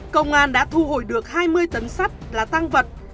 công an đã thu hồi được hai mươi tấn sắt là tăng vật